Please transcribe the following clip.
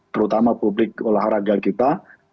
terutama publik olahraga kita